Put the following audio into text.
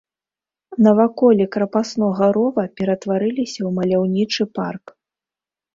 Наваколлі крапаснога рова ператварыліся ў маляўнічы парк.